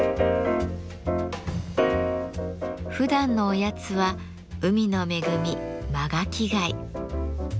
ふだんのおやつは海の恵みマガキガイ。